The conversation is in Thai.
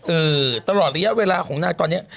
ตลอดระยะเวลาของนางตอนนี้